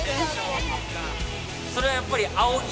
それはやっぱりあおぎ？